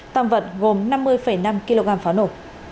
tầm vận gồm năm mươi năm kg pháo nổ